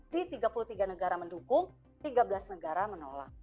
di tiga puluh tiga negara mendukung tiga belas negara menolak